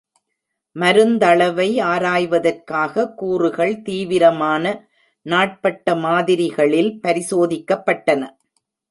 மருந்தளவை ஆராய்வதற்காக, கூறுகள் தீவிரமான நாட்பட்ட மாதிரிகளில் பரிசோதிக்கப்பட்டன.